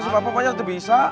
si bapak banyak yang tidak bisa